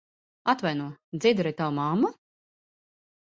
Atvaino, Dzidra ir tava mamma?